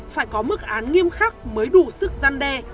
phải có mức án nghiêm khắc mới đủ sức gian đe